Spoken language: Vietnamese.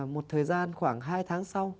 một thời gian khoảng hai tháng sau